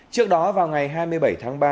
trước đó vào ngày hai mươi bảy tháng ba